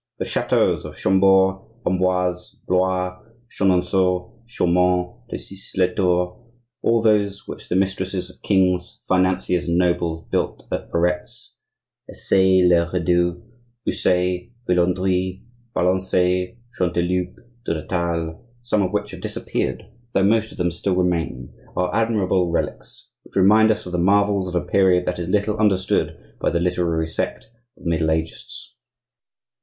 The chateaus of Chambord, Amboise, Blois, Chenonceaux, Chaumont, Plessis les Tours, all those which the mistresses of kings, financiers, and nobles built at Veretz, Azay le Rideau, Usse, Villandri, Valencay, Chanteloup, Duretal, some of which have disappeared, though most of them still remain, are admirable relics which remind us of the marvels of a period that is little understood by the literary sect of the Middle agists.